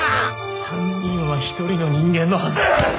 ３人は一人の人間のはず。